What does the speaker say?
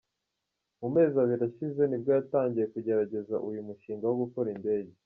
Mu mezi abiri ashize nibwo yatangiye kugerageza uyu mushinga wo gukora indege.